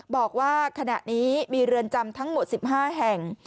บอกว่าขณะนี้มีเรือนจำทั้งหมด๑๕แห่ง